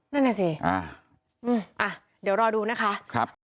นั่นน่ะสิอ่ะเดี๋ยวรอดูนะคะครับ